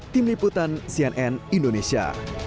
tim liputan cnn indonesia